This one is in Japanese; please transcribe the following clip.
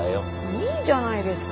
いいじゃないですか。